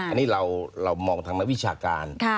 อันนี้เรามองทางนักวิชาการ